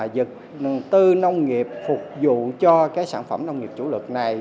vật tư nông nghiệp phục vụ cho cái sản phẩm nông nghiệp chủ lực này